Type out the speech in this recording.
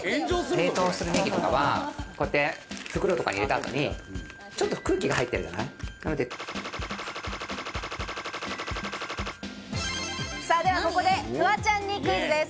冷凍するネギとかはこうやって袋とかに入れた後にちょっと空気がでは、ここでフワちゃんにクイズです。